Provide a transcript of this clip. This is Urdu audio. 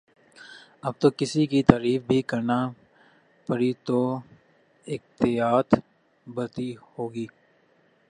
اب تو کسی کی تعریف بھی کرنا پڑی تو احتیاط برتنی ہو گی